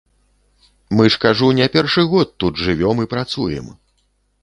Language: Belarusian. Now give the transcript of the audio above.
Мы ж, кажу, не першы год тут жывём і працуем.